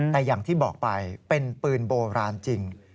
แต่อย่างที่บอกไปเป็นปืนโบราณจริง